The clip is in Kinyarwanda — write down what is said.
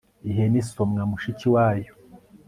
ihene isomwa mushiki wayo